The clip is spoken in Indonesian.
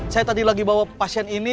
saya tadi lagi bawa pasien ini